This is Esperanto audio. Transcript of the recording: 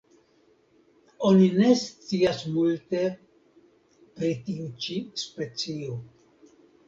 Oni ne scias multe pri tiu ĉi specio.